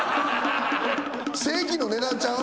正規の値段ちゃう？